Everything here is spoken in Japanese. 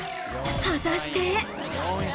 果たして。